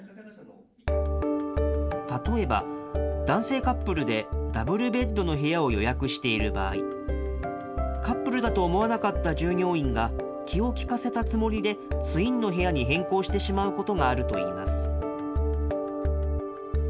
例えば男性カップルでダブルベッドの部屋を予約している場合、カップルだと思わなかった従業員が、気を利かせたつもりでツインの部屋に変更してしまうことがあるといいます。